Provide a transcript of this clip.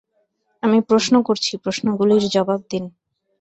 আমি প্রশ্ন করছি, প্রশ্নগুলির জবাব দিন।